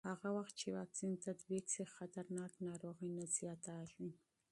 هغه وخت چې واکسین تطبیق شي، خطرناک ناروغۍ نه زیاتېږي.